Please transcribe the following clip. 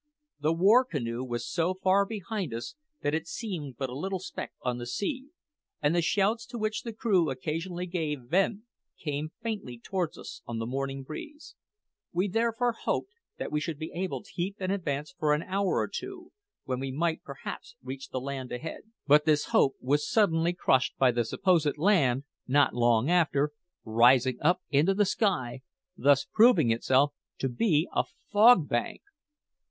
The war canoe was so far behind us that it seemed but a little speck on the sea, and the shouts to which the crew occasionally gave vent came faintly towards us on the morning breeze. We therefore hoped that we should be able to keep in advance for an hour or two, when we might perhaps reach the land ahead. But this hope was suddenly crushed by the supposed land, not long after, rising up into the sky, thus proving itself to be a fog bank!